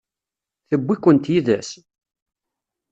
Tewwi-kent yid-s?